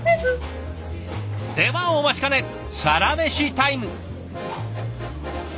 ではお待ちかねサラメシタイム。